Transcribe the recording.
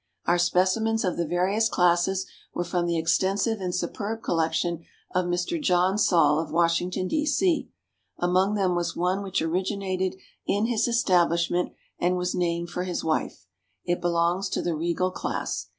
Our specimens of the various classes were from the extensive and superb collection of Mr. John Saul, of Washington, D. C. Among them was one which originated in his establishment and was named for his wife. It belongs to the "Regal" class.